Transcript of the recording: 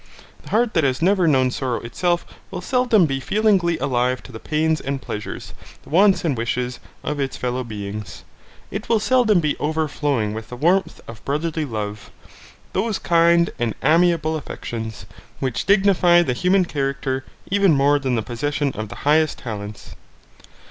The heart that has never known sorrow itself will seldom be feelingly alive to the pains and pleasures, the wants and wishes, of its fellow beings. It will seldom be overflowing with that warmth of brotherly love, those kind and amiable affections, which dignify the human character even more than the possession of the highest talents.